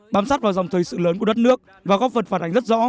bám sát vào dòng thời sự lớn của đất nước và góp phần phản ánh rất rõ